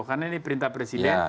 karena ini perintah presiden